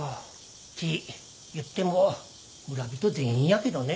ち言っても村人全員やけどね。